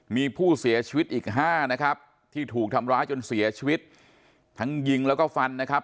มีผู้เสียชีวิตอีกห้านะครับที่ถูกทำร้ายจนเสียชีวิตทั้งยิงแล้วก็ฟันนะครับ